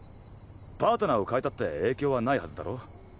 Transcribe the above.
パートナーを替えたって影響はないはずだろ。